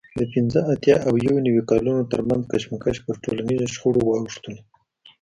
د پینځه اتیا او یو نوي کالونو ترمنځ کشمکش پر ټولنیزو شخړو واوښتلو